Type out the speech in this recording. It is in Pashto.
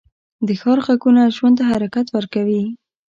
د ښار غږونه ژوند ته حرکت ورکوي